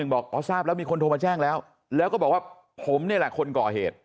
บอกอ๋อทราบแล้วมีคนโทรมาแจ้งแล้วแล้วก็บอกว่าผมนี่แหละคนก่อเหตุ